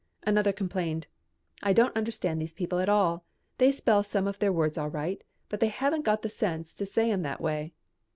Another complained, "I don't understand these people at all. They spell some of their words all right, but they haven't got the sense to say 'em that way."